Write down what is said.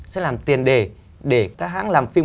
sẽ làm tiền đề để các hãng làm phim